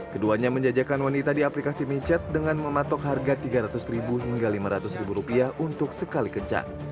keduanya menjajakan wanita di aplikasi mechat dengan mematok harga rp tiga ratus hingga rp lima ratus untuk sekali kejar